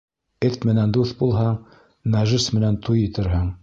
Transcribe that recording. Эт менән дуҫ булһаң, нәжес менән туй итерһең.